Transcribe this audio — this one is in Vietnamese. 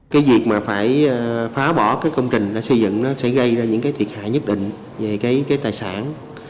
cái việc mà phải phá bỏ cái công trình đã xây dựng nó sẽ gây ra những cái thiệt hại nhất định về cái tài sản